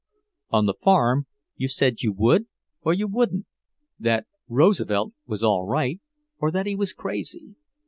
On the farm you said you would or you wouldn't; that Roosevelt was all right, or that he was crazy.